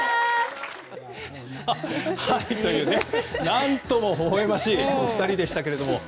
何ともほほ笑ましいお二人でしたけれども。